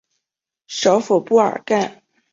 首府布尔干。